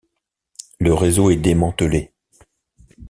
Le réseau est démantelé.